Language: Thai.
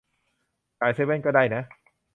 จ่ายเซเว่นก็ได้นะ